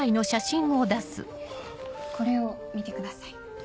これを見てください。